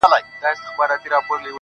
ارمانه اوس درنه ښكلا وړي څوك,